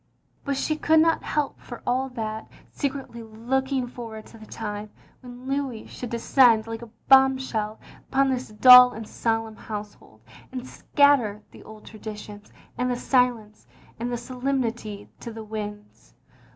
But she could not help, for all that, secretly looking forward to the time when Louis should descend like a bombshell upon this dull and solemn household, and scatter the old traditions and the silence and the solemnity to the winds.